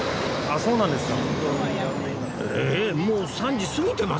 あっそうなんですか。